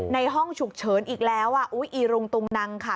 ในห้องฉุกเฉินอีกแล้วอีรุงตุงนังค่ะ